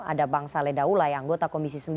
ada bang saleh daulah yang anggota komisi